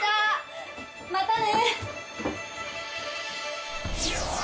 またね。